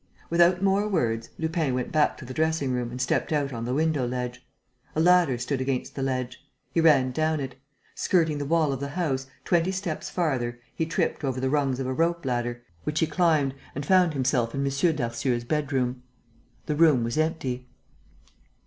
Without more words, Lupin went back to the dressing room and stepped out on the window ledge. A ladder stood against the ledge. He ran down it. Skirting the wall of the house, twenty steps farther, he tripped over the rungs of a rope ladder, which he climbed and found himself in M. Darcieux's bedroom. The room was empty.